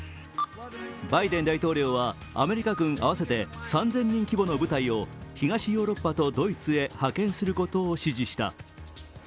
バイデン大統領はアメリカ軍合わせて３０００人規模の部隊を東ヨーロッパとドイツへ派遣することを指示した。